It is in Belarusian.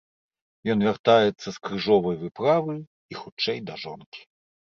Ён вяртаецца з крыжовай выправы і хутчэй да жонкі.